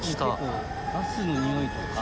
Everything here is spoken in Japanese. ガスの臭いとか。